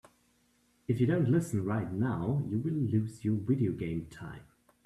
If you don't listen right now, you will lose your video game time.